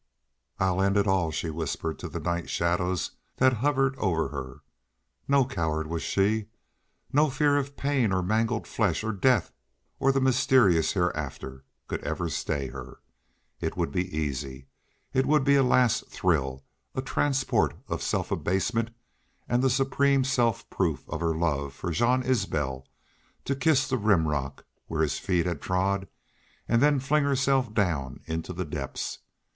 "I'll end it all," she whispered to the night shadows that hovered over her. No coward was she no fear of pain or mangled flesh or death or the mysterious hereafter could ever stay her. It would be easy, it would be a last thrill, a transport of self abasement and supreme self proof of her love for Jean Isbel to kiss the Rim rock where his feet had trod and then fling herself down into the depths.